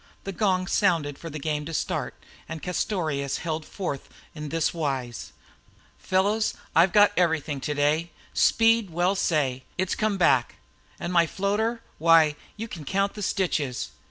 The gong sounded for the game to start, and Castorious held forth in this wise: "Fellows, I've got everything today. Speed well say! it's come back. And my floater why, you can count the stitches!